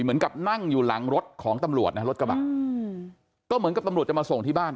เหมือนกับนั่งอยู่หลังรถของตำรวจนะรถกระบะอืมก็เหมือนกับตำรวจจะมาส่งที่บ้าน